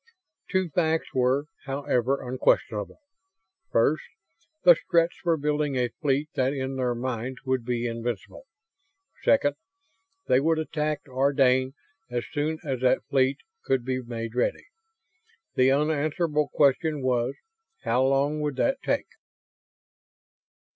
Two facts were, however, unquestionable. First, the Stretts were building a fleet that in their minds would be invincible. Second, they would attack Ardane as soon as that fleet could be made ready. The unanswerable question was: how long would that take?